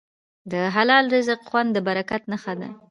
د حلال رزق خوند د برکت نښه ده.